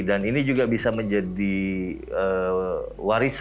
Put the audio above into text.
dan ini juga bisa menjadi warisan